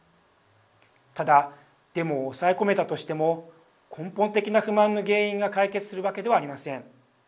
ただ、デモを抑え込めたとしても根本的な不満の原因が解決するわけではありません。